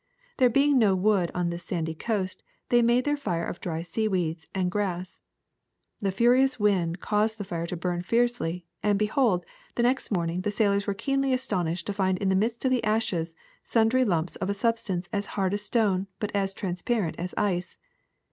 There being no wood on this sandy coast, they made their fire of dry seaweeds and grass. The furious wind caused their fire to burn fiercely, and, behold, the next morning the sailors were greatly astonished to find in the midst of the ashes sundry lumps of a substance as hard as stone but as transparent as ice.